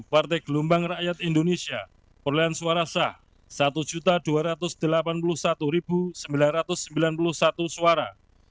partai gelombang rakyat indonesia perolehan suara sah satu dua ratus delapan puluh satu sembilan ratus sembilan puluh satu suara